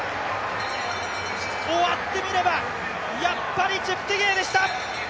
終わってみれば、やっぱりチェプテゲイでした。